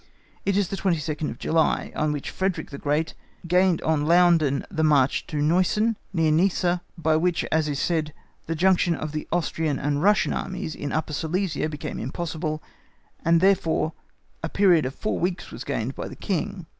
It is the 22nd July, on which Frederick the Great gained on Laudon the march to Nossen, near Neisse, by which, as is said, the junction of the Austrian and Russian armies in Upper Silesia became impossible, and, therefore, a period of four weeks was gained by the King.